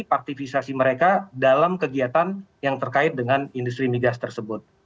partisiasi mereka dalam kegiatan yang terkait dengan industri migas tersebut